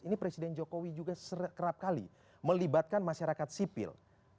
ini presiden jokowi juga kerap kali melibatkan masyarakat sipil